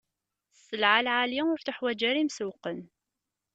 Sselɛa lɛali, ur teḥwaǧ ara imsewwqen.